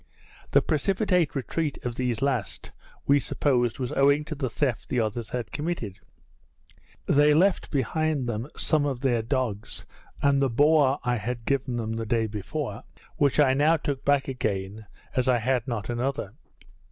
This precipitate retreat of these last, we supposed was owing to the theft the others had committed. They left behind them some of their dogs, and the boar I had given them the day before, which I now took back again as I had not another.